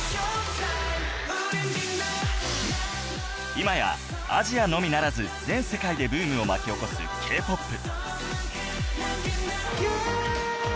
今やアジアのみならず全世界でブームを巻き起こす Ｋ−ＰＯＰ